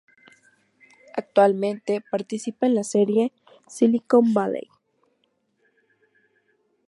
Actualmente participa en la serie "Silicon Valley".